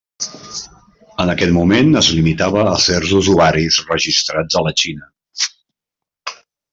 En aquest moment es limitava a certs usuaris registrats a la Xina.